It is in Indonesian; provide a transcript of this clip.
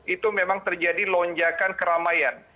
itu memang terjadi lonjakan keramaian